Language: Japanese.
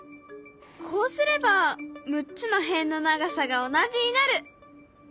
こうすれば６つの辺の長さが同じになる。